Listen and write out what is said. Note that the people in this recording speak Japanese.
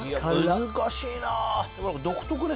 難しいな。